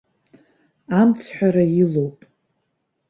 Амцҳәарақәа илоуп.